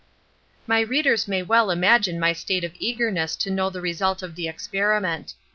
My readers may well imagine my state of eagerness to know the result of the experiment.